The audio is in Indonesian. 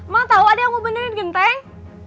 mak tahu ada yang mau bendelin genteng